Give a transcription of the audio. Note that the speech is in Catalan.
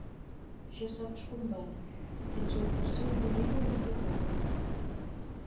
Ja saps com va, ets el tercer individu amb qui parlo.